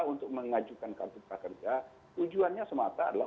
untuk mendapatkan insentif